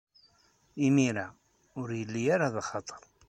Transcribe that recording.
Imir-a, ur yelli ara d axatar.